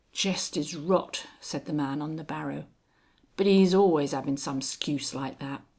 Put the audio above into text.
"Jest is rot," said the man on the barrow. "But 'E's always avin' some 'scuse like that.